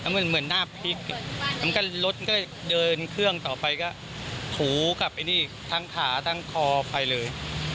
เหมือนหน้าพลิกแล้วก็รถก็เลยเดินเครื่องต่อไปก็ถูกับไอ้นี่ทั้งขาทั้งคอไปเลย